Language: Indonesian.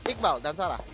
iqbal dan sarah